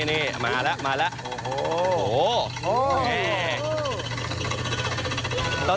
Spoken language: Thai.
นี่มาแล้ว